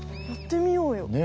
やってみようよ。